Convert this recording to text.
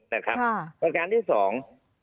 ประการที่สอง